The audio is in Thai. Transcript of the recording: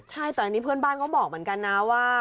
ใช่แต่อันนี้เพื่อนบ้านก็บอกเหมือนกันนะว่า